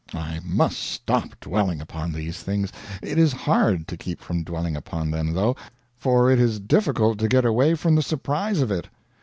I must stop dwelling upon these things. It is hard to keep from dwelling upon them, though; for it is difficult to get away from the surprise of it.